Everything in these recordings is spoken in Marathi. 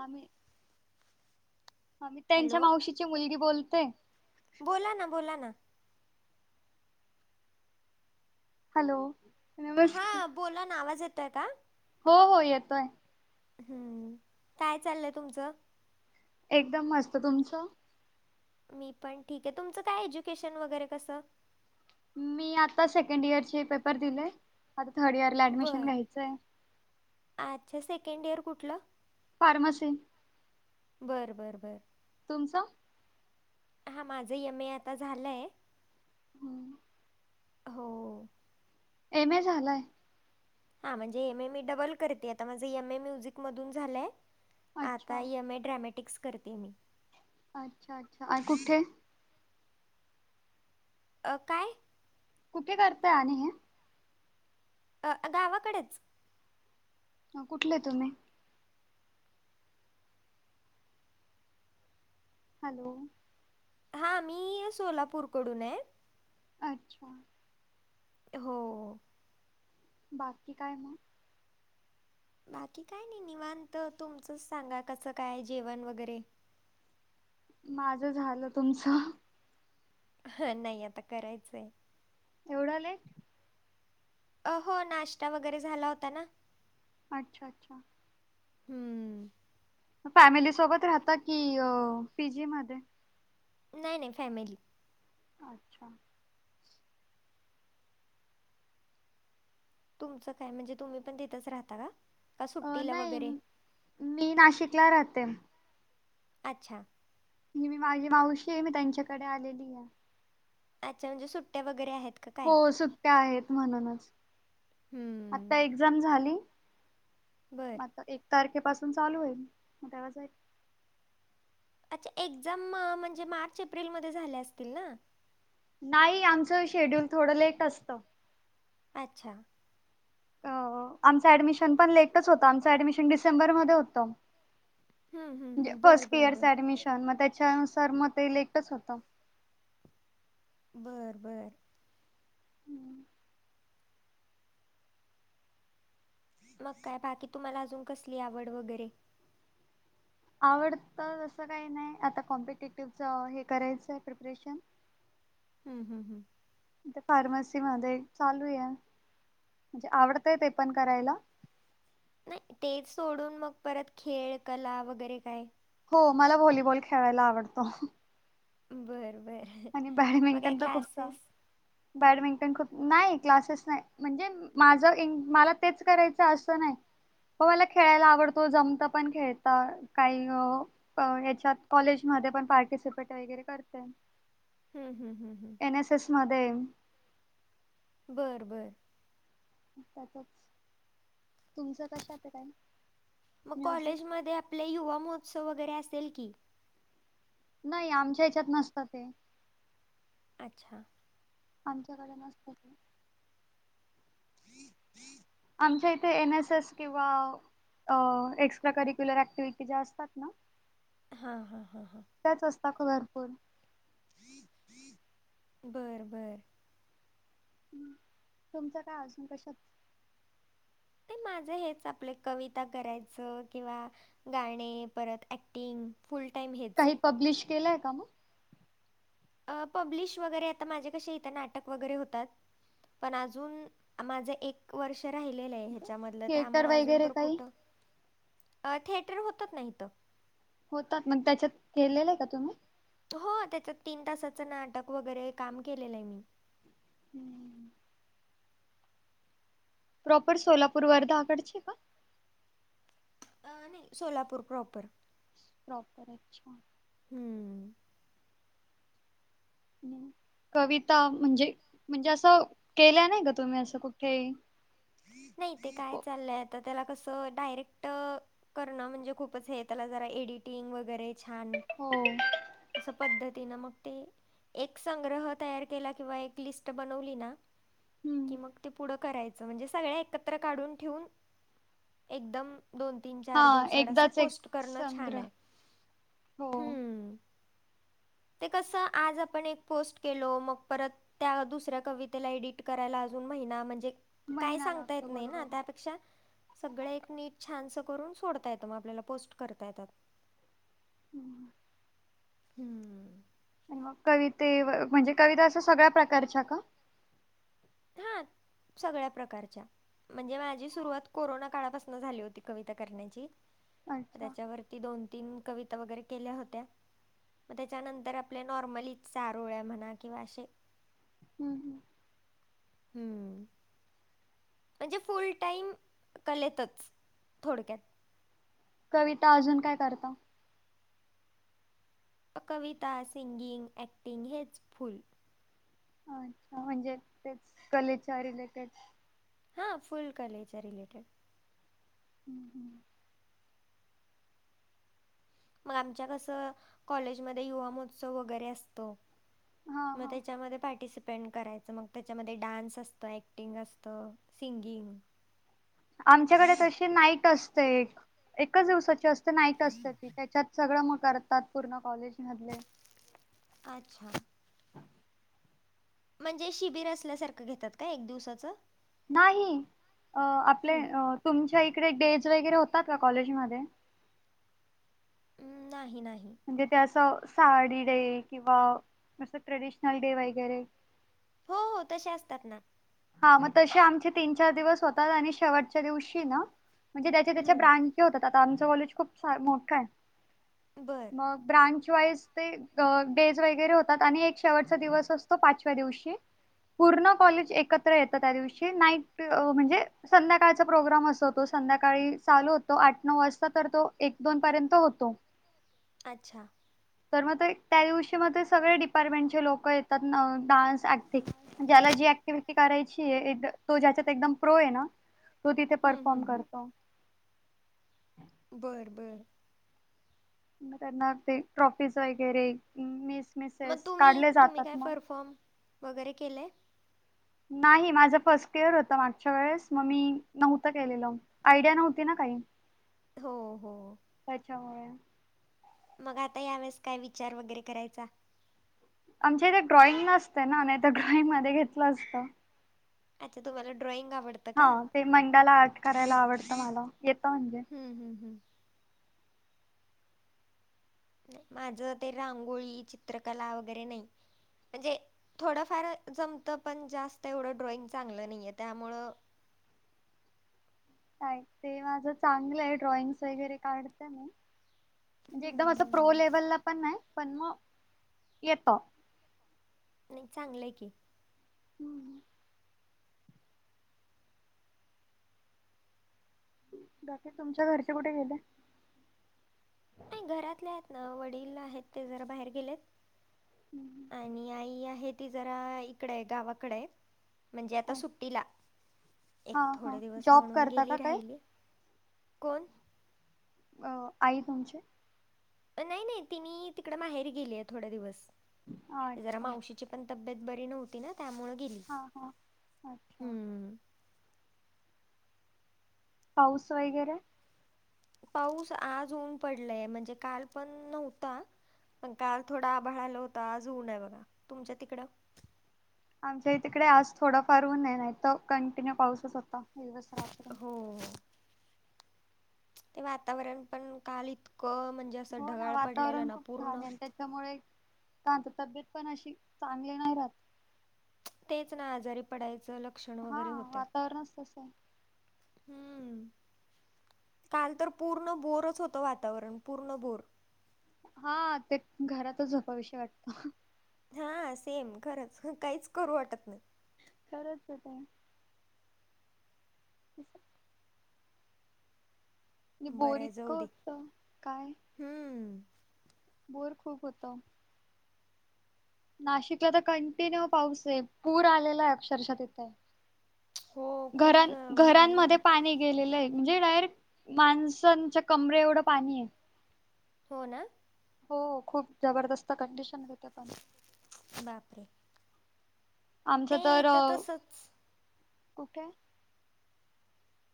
आ मी, आ मी, त्यांच्या हॅलो मावशीची मुलगी बोलतेय. बोला, ना. बोला, ना. हॅलो. नमस्कार हा, बोला ना. आवाज येतोय का? हो, हो. येतोय. हम्म. काय, चाललंय तुमचं? एकदम मस्त. तुमचं? मी पण ठीकय. तुमचं काय? एज्युकेशन वगैरे. कसं? मी आता सेकंड इयरचे पेपर दिलेय. आता थर्ड इयरला ऍडमिशन बर घ्यायचंय. अच्छा. सेकंड इयर कुठलं? फार्मसी. बर, बर, बर. तुमचं? हा, माझं एम ए आता झालंय. हम्म. होओ. एम ए झालाय? हा म्हणजे, एम ए मी डबल करते आता. माझे एम ए म्युझिक मधून झालंय. आता अच्छा एम ए ड्रॅमॅटिक्स, करते मी. अच्छा, अच्छा. अ कुठे? अ काय. कुठे करतय आणि हे. अ गावाकडेच. कुठले तुम्ही. हॅलो हा मी सोलापूरकडून आहे. अच्छा हो बाकी काय मग. बाकी काय नाही निवांत तुमचंच सांगा कसं काय जेवण वगैरे. माझ झालं तुमचं. हा नाही आता करायचंय. एवढं आलेय. अ हो नाश्ता वगैरे झाला होता ना. अच्छा अच्छा हम्म फॅमिली सोबत राहता की पीजी मध्ये. नाही नाही फॅमिली. अच्छा तुमचं काय म्हणजे तुम्ही पण तथेच राहता का? का अ सुट्टीला नाही वगैरे मी नाशिकला राहते. अच्छा मी माझी मावशी आहे मी त्यांच्याकडे आलेली आहे. अच्छा म्हणजे सुट्ट्या वगैरे आहेत. का काय हो सुट्ट्या आहेत म्हणूनच आता हम्म एक्झाम झाली. बरं आता एक तारखेपासून चालू होईल मग तेव्हा जाईल. अच्छा एक्झाम म्हणजे मार्च एप्रिलमध्ये झाल्या असतील ना. नाही आमचं शेड्यूल थोडं लेट असतं. अच्छा अ आमचं ऍडमिशन पण लेटच होतं आमचं ऍडमिशन डिसेंबर मध्ये होतं. हम्म हम्म हम्म बर फस्ट बर इयर बर ऍडमिशन मग त्याच्यानुसार मग ते लेटच होत. बरं बरं हम्म मग काय बाकी तुम्हाला अजून कसली आवड वगैरे. आवडत असं काही नाही आता कॉम्पिटेटिव्हच हे करायचं आहे प्रिपरेशन. हम्म हम्म हम्म फार्मसी मध्ये चालू आहे म्हणजे आवडतय ते पण करायला. नाही तेच सोडून मग परत खेळ कला वगैरे काय. हो मला व्हॉलीबॉल खेळायला आवडतो. बरं बरं आणि मग काय बॅडमिंटन तर खूपदा क्लासेस बॅडमिंटन खूप नाही क्लासेस नाही म्हणजे माझं मला तेच करायचं असं नाही. हो मला खेळायला आवडतो जमता पण खेळता काही याच्यात कॉलेजमध्ये पण पार्टिसिपेट वगैरे करते. हम हम हम हम. एन एस एस मध्ये. बरं बरं. त्यातच. तुमचं कशात [unintelligible] मग म्युझिक कॉलेजमध्ये आपले युवा महोत्सव वगैरे असेल की. नाही. आमच्या ह्याच्यात नसत ते. अच्छा. आमच्याकडे नसते ते. आमच्या इथे एन एस एस किंवा अ एक्स्ट्रा करिक्युलर ऍक्टिव्हटी ज्या असतात ना. हा हा हा हा. त्याच असता कलरफुल. बरं बरं. तुमचं काय असुन कशात? ते माझं हेच आपल कविता करायचं किंवा गाणे परत ऍक्टिंग फुल टाइम हे. काही पब्लिश केलाय का मग? अ पब्लिश वगैरे आता माझे कसे इथं नाटक वगैरे होतात. पण अजून माझं एक वर्ष राहिलेलं आहे ह्याच्यामधलं. थिएटर त्यामुळे अजून वगैरे तर काही कुठं अ थिएटर होतत ना हीत. होतात, मग त्याच्यात केलेलं आहे का तुम्ही? हो त्याच्यात तीन तासाचं नाटक वगैरे काम केलेलं आहे मी. [inaudible] प्रॉपर सोलापूर वर्धा कडचे आहे का? अ नाही सोलापूर प्रॉपर. प्रॉपर अच्छा! हम्म. कविता म्हणजे म्हणजे असं केल्या नाही का तुम्ही असं कुठेही? नाही ते काय चाललंय आता, त्याला कसं डायरेक्ट करणं म्हणजे खूपच हे त्याला जरा एडिटिंग वगैरे छान. हो. असं पद्धतीनं मग ते. एक संग्रह तयार केला किंवा एक लिस्ट बनवली ना. कि मग ते पुढं करायचं म्हणजे सगळ एकत्र काढून ठेऊून एकदम. दोन तीन हा चार दिवसा आड अस एकदाच एक पोस्ट करणं छान संग्रह आहे. हो हम्म. ते कसं आज आपण एक पोस्ट केलो मग परत, त्या दुसऱ्या कवितेला एडिट करायला अजून महिना म्हणजे, काय महिना सांगता लागतो. नाही ना बरोबर. त्यात सगळ एक नीट छान करून सोडता येत मग आपल्याला पोस्ट करता येतात. हम. हम्म मग कविते म्हणजे कविता असा सगळ्या प्रकारच्या का? हा. सगळ्या प्रकारच्या. म्हणजे माझी सुरुवात कोरोना काळापासून झाली होती कविता करण्याची. अच्छा त्याच्यावर मी दोन, तीन कविता वगैरे केल्या होत्या. मग त्याच्यानंतर आपल्या नॉर्मलीच चारोळ्या म्हणा किंवा अशे हम्म हम्म हम्म म्हणजे फुल टाईम कलेतच थोडक्यात. कविता अजून काय करता. कविता, सिंगिंग, ऍक्टिंग हेच फुल. अच्छा म्हणजे तेच कलेच्या रिलेटेड हा फुल कलेच्या रिलेटेड हम्म हम्म मग आमच्या कसं कॉलेजमध्ये युवा महोत्सव वगैरे असतो. हा मग हा त्याच्यामध्ये पार्टिसिपेंट कराय मग त्याच्यामध्ये डान्स असत, ऍक्टिंग असत, सिंगिंग. आमच्याकडे तशी नाईट असते एकच दिवसाची असते. नाईट असते ती त्याच्यात सगळं मग करतात पूर्ण कॉलेज मधले अच्छा म्हणजे शिबिर असल्यासारखं घेतात का एक दिवसाचं नाही अ आपले हं, तुमच्या इकडे डेज वगैरे होतात का कॉलेजमध्ये हम्म नाही नाही म्हणजे त्या असं साडी डे किंवा असं ट्रेडिशनल डे वगैरे हो हो तसे असतात ना हा मग तसे आमचे तीन चार दिवस होतात आणि शेवटच्या दिवशी ना म्हणजे त्याच्या त्याच्या हं, ब्रांच होतात आता आमचं कॉलेज खूप फार मोठं हाय. बरं मग ब्रांच वाईज ते अ डेज वगैरे होतात. आणि एक शेवटचा दिवस असतो पाचव्या दिवशी पूर्ण कॉलेज एकत्र येत त्या दिवशी नाईट अ म्हणजे संध्याकाळचा प्रोग्राम असो तो संध्याकाळी चालू होतो आठ, नऊ वाजता तर तो एक, दोन पर्यंत होतो. अच्छा तर मग त्या दिवशी म सगळे डिपार्टमेंटचे लोक येतात डान्स, ऍक्टिंग ज्याला जी ऍक्टिव्हटी करायची ये एक तो ज्याच्यात एकदम प्रो आहे ना तो तिथे हं, परफॉर्म हं, हं. करतो. बरं बरं मग त्यांना ते ट्रॉफीज वगैरे मिस मग मिसेस तुम्ही काढले तुम्ही जातात काय मग परफॉर्म वगैरे केलय. नाही माझं फर्स्ट इयर होतं मागच्या वेळेस मग मी नव्हतं केलेलं. आयडिया नव्हती ना काही हो हो त्याच्यामुळे मग आता यावेेळेस काय विचार वगैरे करायचा. आमच्या इथे ड्रॉइंग नसते ना नाही तर ड्रॉइंग मध्ये घेतलं असतं. अच्छा तुम्हाला ड्रॉइंग आवडते. हा ते मंडाला आर्ट करायला आवडतं मला येतं म्हणजे हम् हम्म हम माझं ते रांगोळी चित्रकला वगैरे नाय म्हणजे थोडंफार जमतं, पण जास्त एवढं ड्रॉइंग चांगलं नाहीये त्यामुळ नाय ते माझं चांगलं ये. ड्रॉइंगस वगैरे काढत मी म्हणजे एकदम हम्म असं प्रो हम्म. लेवलला पण नाय पण म येत. नई चांगलंय की, [inaudible] बाकी तुमच्या घरचे कुठ गेले? नाही घरातले आहेत ना, वडील आहेत ते जर बाहेर गेलेत. हम्म. आणि आई आहे ती जरा इकडय गावाकडय. म्हणजे आता अ- सुट्टीला, एक हा हा थोडे दिवस जॉब म्हणून करता गेली का काही राहिली. कोण? अ आई तुमची अ नाई नाई तिनी तिकड माहेरी गेलीय थोड्या दिवस जरा अच्छा मावशी ची पण तब्येत बरी नव्हती ना त्यामुळ हा हा अच्छा पाऊस वगैरे पाऊस आज ऊन पडलय. म्हणजे काल पण नव्हता. पण काल थोडा आभाळ आल होत. आज ऊन ये बघा. तुमच्या तिकडं आमच्या ही तिकडे आज थोडा फार ऊन ये. नायत कंटिन्यू पाऊसच होता. दिवस रात्र हो. ते वातावरण पण काल इतकं म्हणजे असं ढगाळ पडलेलं ना पूर्ण त्यामुळे का त तब्येत पण अशी चांगली नाय राहत. तेच ना आजारी पडायचं लक् हा वातावरणच तस हम्म काल तर पूर्ण बोरच होत वातावरण, पूर्ण बोर हा ते घरातचं झोपावीशे वाट हा सेम खरंच, काहीच करू वाटत नाय. खरंच त काय [inaudible] म बोर बरं जाऊ इतकं दे होत काय हम्म बोर खूप होत. नाशिकला तर कंटिन्यू पाऊस ये. पूर आलेलाय अक्षरशः तिथे हो खूप घरां ज म्हणले घरांमध्ये पाणी गेलेलंय, म्हणजे डायरेक्ट माणसांच्या कमरे एवढं पाणी ये. हो ना हो खूप जबरदस्त कंडिशनय तिथे पण बापरे आमच ते तर इथं तसंच - कुठे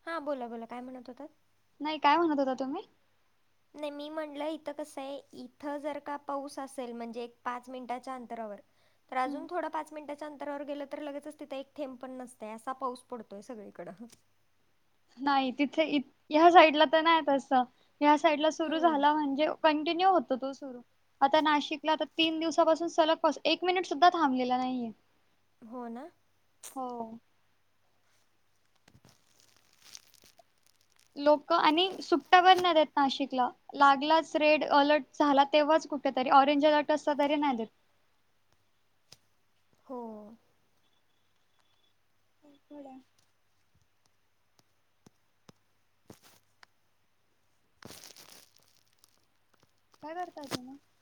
हां बोला बोला काय म्हणत होतात. नाय काय म्हणत होता तुम्ही नाही मी म्हणलं इथं कसंय इथं जर का पाऊस असेल म्हणजे एक पाच मिनिटांच्या अंतरावर तर अजून थोडं पाच मिनटाच्या अंतरावर गेलं तर, लगेच तिथं एक थेंब पण नसतय, असा पाऊस पडतोय सगळीकडं नाय तिथे ह्या साईडला त नाय तस ह्या साईडला सुरू हम्म झाला म्हणजे कन कंटिन्यू होतो तो सुरू आता नाशिकला आता तीन दिवसांपासून सलग पाऊस एक मिनिट सुद्धा थांबलेला नाहीये. हो ना? हो. [inaudible] लोकं आणि सुट्टया पण नाही देत नाशिकला. लागलाच रेड अलर्ट झाला तेव्हाच कुठेतरी, ऑरेंज अलर्ट असला तरी नाही देत. हो. [unintelligible] [inaudible] काय करताय? [unintelligible]